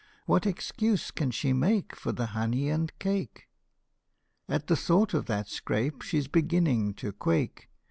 What excuse can she make For the honey and cake ? At the thought of that scrape she's beginning to quake.